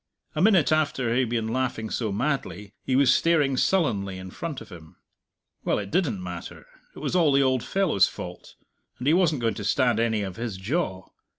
A minute after he had been laughing so madly, he was staring sullenly in front of him. Well, it didn't matter; it was all the old fellow's fault, and he wasn't going to stand any of his jaw.